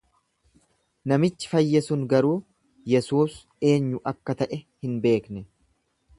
Namichi fayye sun garuu Yesuus eenyu akka ta’e hin beekne.